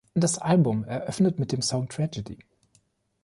Das Album eröffnet mit dem Song "Tragedy".